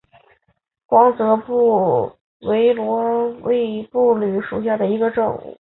光泽布纹螺为布纹螺科布纹螺属下的一个种。